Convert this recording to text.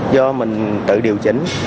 do mình tự điều chỉnh